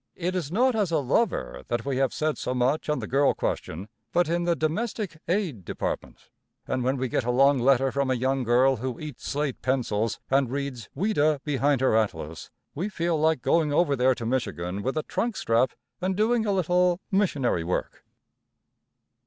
It is not as a lover that we have said so much on the girl question, but in the domestic aid department, and when we get a long letter from a young girl who eats slate pencils and reads Ouida behind her atlas, we feel like going over there to Michigan with a trunk strap and doing a little missionary work.